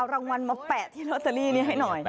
เอารางวัลมาแปะที่นี้ให้หน่อย